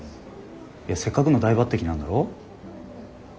せっかくの大抜てきなんだろ。